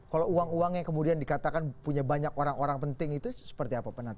kalau uang uang yang kemudian dikatakan punya banyak orang orang penting itu seperti apa